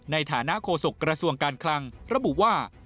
ในฐานะโฆษกระทรวงการคลังระบุว่า